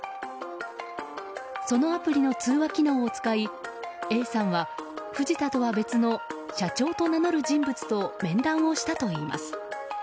そのアプリの通話機能を使いＡさんは藤田とは別の社長と名乗る人物と面談をしたといいます。